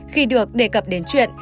khi được đề cập đến chuyện